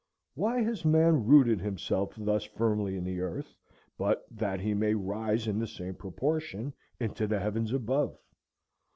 Why has man rooted himself thus firmly in the earth, but that he may rise in the same proportion into the heavens above?